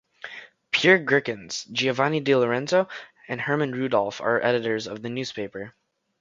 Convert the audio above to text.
Pierre Gerckens, Giovanni di Lorenzo and Hermann Rudolph are editors of the newspaper.